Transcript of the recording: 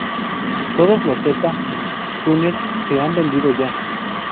Todos los Z- Tunes se han vendido ya.